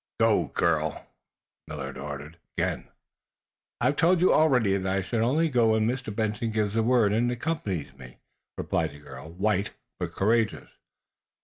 "Go, girl!" Millard ordered again. "I have told you, already, that I shall go only when Mr. Benson gives the word and accompanies me," replied the girl, white but courageous.